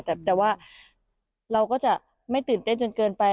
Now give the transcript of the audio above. แต่ว่าเราก็จะไม่ตื่นเต้นจนเกินไป